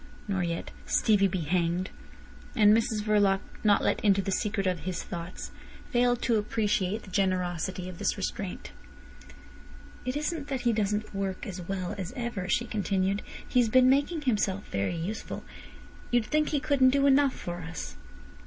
nor yet "Stevie be hanged!" And Mrs Verloc, not let into the secret of his thoughts, failed to appreciate the generosity of this restraint. "It isn't that he doesn't work as well as ever," she continued. "He's been making himself very useful. You'd think he couldn't do enough for us."